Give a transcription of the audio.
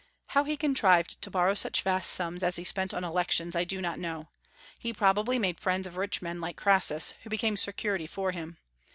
How he contrived to borrow such vast sums as he spent on elections, I do not know. He probably made friends of rich men like Crassus, who became security for him.